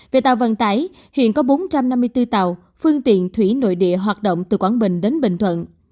về tàu vận tải hiện có bốn trăm năm mươi bốn tàu phương tiện thủy nội địa hoạt động từ quảng bình đến bình thuận